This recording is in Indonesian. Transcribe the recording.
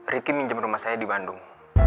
riki minjem rumah saya di bandung